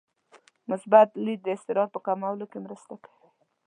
مثبت لید د اضطراب په کمولو کې مرسته کوي.